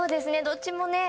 どっちもね